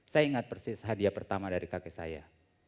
saya ingat persis hadiah pertama dari kakek saya